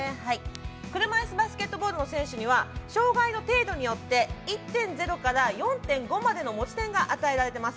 車いすバスケットボールの選手には障がいの程度によって１．０から４．５までの持ち点が与えられています。